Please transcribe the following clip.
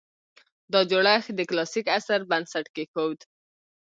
دا جوړښت د کلاسیک عصر بنسټ کېښود